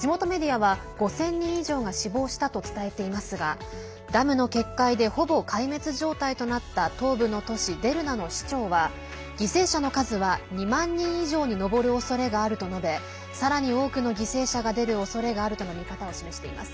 地元メディアは５０００人以上が死亡したと伝えていますがダムの決壊でほぼ壊滅状態となった東部の都市デルナの市長は犠牲者の数は２万人以上に上るおそれがあると述べさらに多くの犠牲者が出るおそれがあるとの見方を示しています。